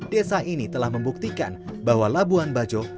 desa ini telah membuktikan bahwa labuan bajo